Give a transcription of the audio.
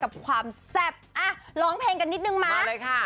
กับความแซ่บอ่ะร้องเพลงกันนิดนึงมาเลยค่ะ